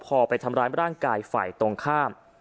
พอไปทำร้ายร่างกายฝ่ายตรงข้าม